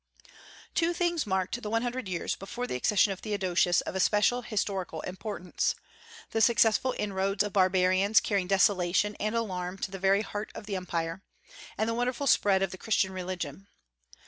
Two things marked the one hundred years before the accession of Theodosius of especial historical importance, the successful inroads of barbarians carrying desolation and alarm to the very heart of the Empire; and the wonderful spread of the Christian religion.